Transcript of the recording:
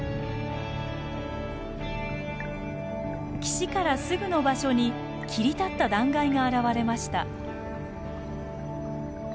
岸からすぐの場所に切り立った断崖が現れました。